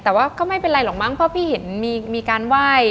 แต่ว่าก็ไม่เป็นไรหรอกมั้งเพราะพี่เห็นมีการไหว้